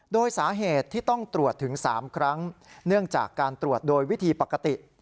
โดยสาเหตุที่ต้องตรวจถึง๓ครั้งเนื่องจากการตรวจโดยวิธีปกติ